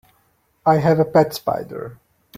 I have a pet spider.